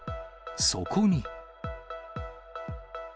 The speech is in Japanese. そこに。